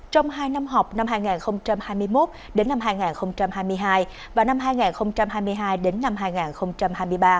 trong hai năm học năm hai nghìn hai mươi một đến năm hai nghìn hai mươi hai và năm hai nghìn hai mươi hai đến năm hai nghìn hai mươi ba